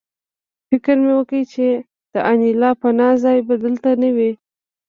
فکر مې وکړ چې د انیلا پناه ځای به دلته نه وي